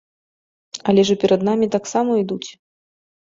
Але ж і перад намі таксама ідуць.